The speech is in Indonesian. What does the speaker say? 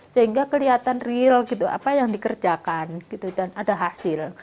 sehingga kelihatan real gitu apa yang dikerjakan gitu dan ada hasil